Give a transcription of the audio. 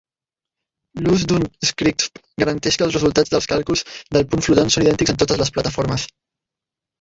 L'ús d'un strictfp garanteix que els resultats dels càlculs del punt flotant són idèntics en totes les plataformes.